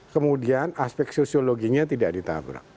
kemudian aspek sosiologinya tidak ditabrak